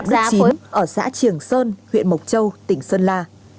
ông phạm đức chí ở xã triềng sơn huyện mộc châu tỉnh sơn la